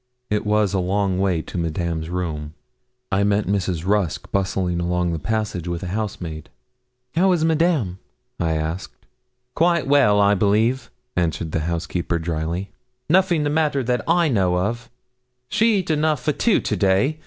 It was a long way to Madame's room. I met Mrs. Rusk bustling along the passage with a housemaid. 'How is Madame?' I asked. 'Quite well, I believe,' answered the housekeeper, drily. 'Nothing the matter that I know of. She eat enough for two to day.